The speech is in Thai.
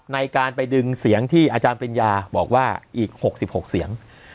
ในการไปดึงเสียงที่อาจารย์ปริญญาบอกว่าอีก๖๖เสียง